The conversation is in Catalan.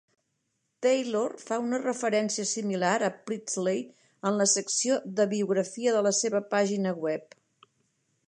Taylor fa una referència similar a Priestley en la secció de biografia de la seva pàgina web.